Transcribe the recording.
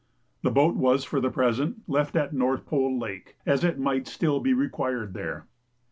The boat was for the present left at North Pole Lake, as it might still be required there.